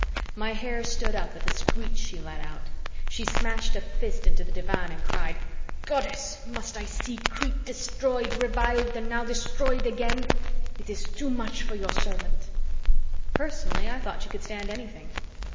My hair stood up at the screech she let out. She smashed a fist into the divan and cried, "Goddess! Must I see Crete destroyed, revived, and now destroyed again? It is too much for your servant." Personally, I thought she could stand anything.